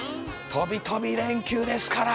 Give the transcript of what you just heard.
とびとび連休ですから！